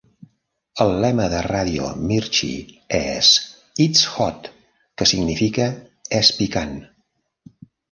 El lema de Radio Mirchi és "It's hot!", que significa "És picant!".